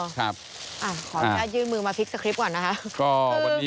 ขอจะยืนมือมาพิกเซอร์คลิฟก่อนนะคะ